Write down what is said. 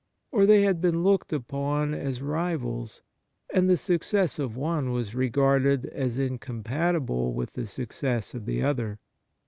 Or they had been looked upon as rivals, and the success of one was regarded as incompatible with the success of the other.